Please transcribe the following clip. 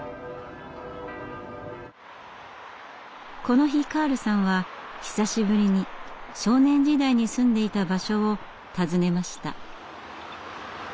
この日カールさんは久しぶりに少年時代に住んでいた場所を訪ねました。